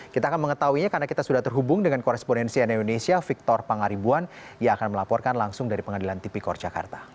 kita akan mengetahuinya karena kita sudah terhubung dengan korespondensi ann indonesia victor pangaribuan yang akan melaporkan langsung dari pengadilan tipikor jakarta